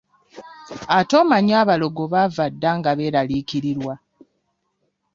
Ate omanyi abalogo baava dda nga beeraliikirirwa.